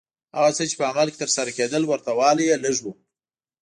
هغه څه چې په عمل کې ترسره کېدل ورته والی یې لږ و.